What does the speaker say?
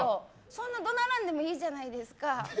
そんな怒鳴らなくてもええじゃないですか。